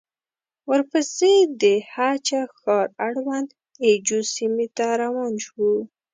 ورپسې د هه چه ښار اړوند اي جو سيمې ته روان شوو.